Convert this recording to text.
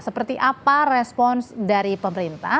seperti apa respons dari pemerintah